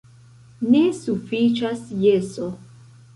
Ne sufiĉas jeso.